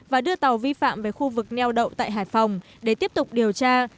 và đưa tàu vi phạm về khu vực neo đậu tại hải phòng để tiếp tục điều tra